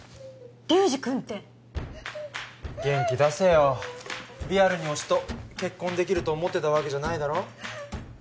流司くんって元気出せよリアルに推しと結婚できると思ってたわけじゃないだろ？